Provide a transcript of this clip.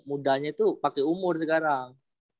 mudanya itu pakai umur sekarang